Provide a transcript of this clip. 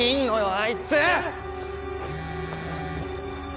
あいつ！